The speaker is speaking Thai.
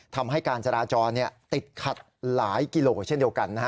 ทำให้การจราจรติดขัดหลายกิโลเช่นเดียวกัน